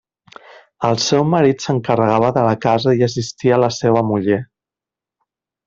El seu marit s'encarregava de la casa i assistia la seua muller.